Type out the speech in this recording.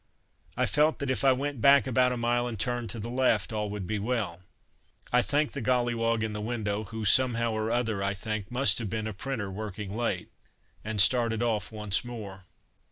I felt that if I went back about a mile and turned to the left, all would be well. I thanked the gollywog in the window, who, somehow or other, I think must have been a printer working late, and started off once more.